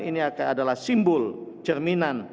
ini adalah simbol cerminan